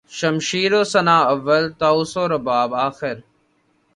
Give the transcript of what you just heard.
شمشیر و سناں اول طاؤس و رباب آخر